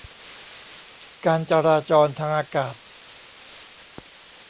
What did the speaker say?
การจราจรทางอากาศ